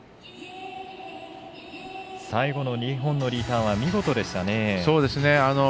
最後の２本のリターンは見事でしたね。